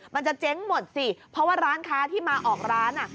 มันจะเจ๊งหมดสิเพราะว่าร้านค้าที่มาออกร้านอ่ะ